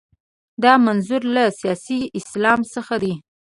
دا منظور له سیاسي اسلام څخه دی.